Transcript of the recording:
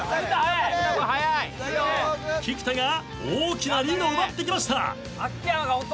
菊田が大きなリードを奪ってきました。